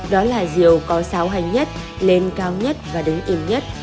đó là diều có sáo hành nhất lên cao nhất và đứng im nhất